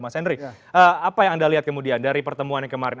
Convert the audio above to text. mas henry apa yang anda lihat kemudian dari pertemuan yang kemarin